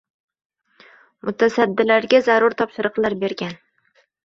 Mutasaddilarga zarur topshiriqlar bergan.